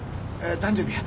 誕生日や。